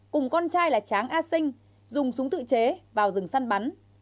cùng con trai là tráng a sinh dùng súng tự chế vào rừng săn bắn